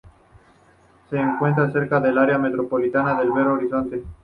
Se encuentra cerca del área metropolitana de Belo Horizonte.